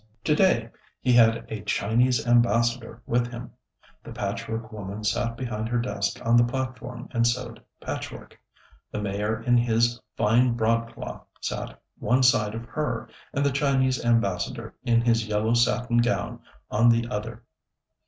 To day he had a Chinese Ambassador with him. The Patchwork Woman sat behind her desk on the platform and sewed patchwork, the Mayor in his fine broadcloth sat one side of her, and the Chinese Ambassador, in his yellow satin gown, on the other.